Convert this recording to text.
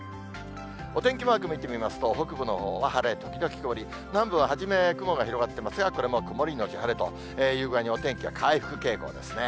お天気マーク見てみますと、北部のほうは晴れ時々曇り、南部は初め雲が広がっていますが、これも曇り後晴れという具合に、お天気は回復傾向ですね。